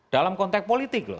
dalam konteks politik loh